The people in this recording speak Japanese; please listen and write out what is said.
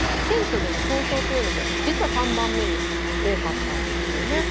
選挙での投票というのも実は３番目に多かったんですよね。